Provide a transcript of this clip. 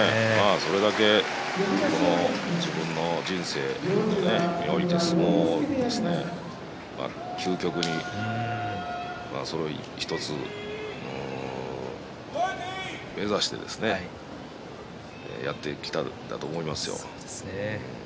それだけ自分の人生において相撲を究極に目指してやってきたんだと思いますよ。